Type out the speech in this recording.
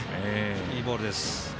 いいボールです。